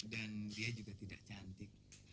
dan dia juga tidak cantik